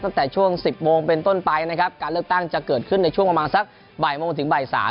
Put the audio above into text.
ตั้งแต่ช่วง๑๐โมงเป็นต้นไปนะครับการเลือกตั้งจะเกิดขึ้นในช่วงประมาณสักบ่ายโมงถึงบ่ายสาม